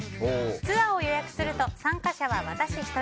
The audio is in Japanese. ツアーを予約すると参加者は私１人。